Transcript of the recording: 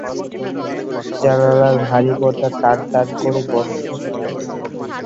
জানালার ভারি পর্দা টান টান করে বন্ধ করা।